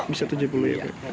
bisa tujuh puluh ya